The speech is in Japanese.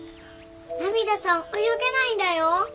ナミダさん泳げないんだよ！